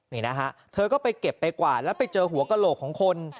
นี่นะฮะเธอก็ไปเก็บไปกว่าแล้วไปเจอหัวกระโหลกของคน